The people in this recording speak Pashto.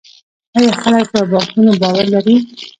آیا خلک په بانکونو باور لري؟